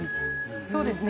そうですね。